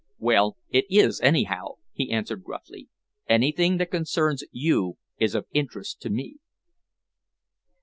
"Well, it is, anyhow," he answered gruffly. "Anything that concerns you is of interest to me."